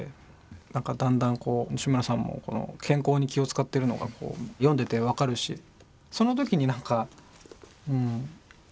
なんかだんだん西村さんも健康に気を遣ってるのが読んでて分かるしその時になんかうん。